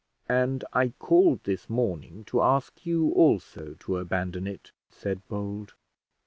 "And I called this morning to ask you also to abandon it," said Bold.